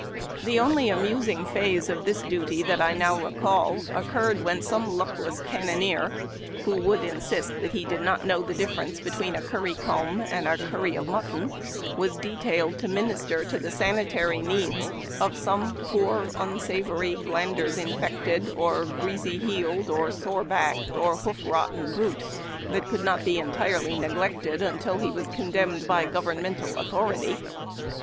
The only amusing phase of this duty that I now recall, occurred when some luckless cannoneer, who would insist that he did not know the difference between a curry comb and a curry of mutton, was detailed to minister to the sanitary needs of some poor, unsavory, glanders infected, or greasy heeled, or sore backed, or hoof rotten brute, that could not be entirely neglected until he was condemned by governmental authority.